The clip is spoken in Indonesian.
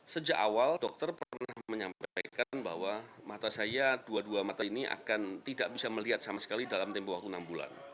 sejak awal dokter pernah menyampaikan bahwa mata saya dua dua mata ini akan tidak bisa melihat sama sekali dalam tempoh waktu enam bulan